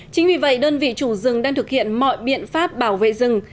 chính vì vậy đơn vị chủ rừng đang thực hiện mọi biện pháp bảo vệ rừng